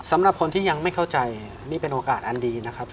สำหรับคนที่ยังไม่เข้าใจนี่เป็นโอกาสอันดีนะครับ